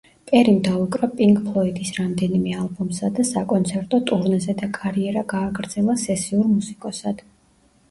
პერიმ დაუკრა პინკ ფლოიდის რამდენიმე ალბომსა და საკონცერტო ტურნეზე და კარიერა გააგრძელა სესიურ მუსიკოსად.